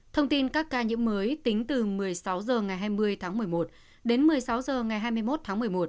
thông tin các ca nhiễm mới tính từ một mươi sáu h ngày hai mươi tháng một mươi một đến một mươi sáu h ngày hai mươi một tháng một mươi một